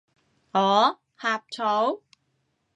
我？呷醋？